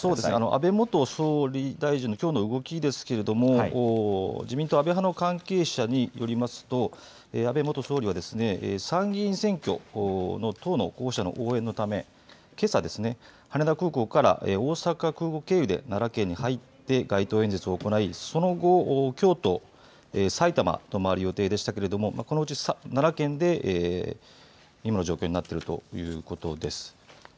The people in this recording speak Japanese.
安倍元総理大臣のきょうの動きですが自民党安倍派の関係者によりますと安倍元総理は参議院選挙の党の候補者の応援のためけさ羽田空港から大阪空港経由で奈良県に入って街頭演説を行い、その後、京都、埼玉を回る予定でしたがこのうち奈良県で今の状況になっているということです。